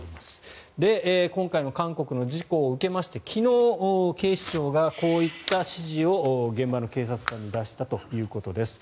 今回の韓国の事故を受けまして昨日、警視庁がこういった指示を現場の警察官に出したということです。